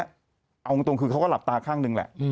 เอาตรงคือเขาก็หลับตาข้างหนึ่งแหละ